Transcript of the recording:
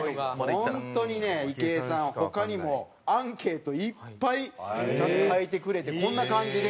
本当にね池江さんは他にもアンケートいっぱいちゃんと書いてくれてこんな感じで。